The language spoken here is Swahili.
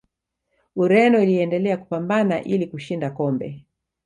ureno iliendelea kupambana ili kushinda kombe